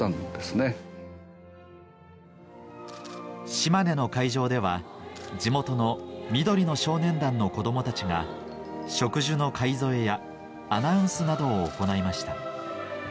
島根の会場では地元の緑の少年団の子供たちが植樹の介添えやアナウンスなどを行いました